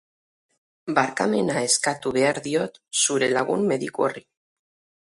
Barkamena eskatu behar diot zure lagun mediku horri.